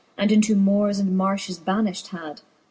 And into moores and marfhes baniflit had.